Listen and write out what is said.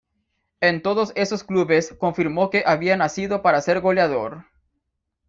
En todos esos clubes confirmó que había nacido para ser goleador.